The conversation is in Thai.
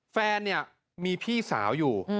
แฟนมีพี่สาวอยู่